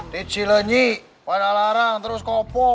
dicilenyi pada larang terus kopo ke soreang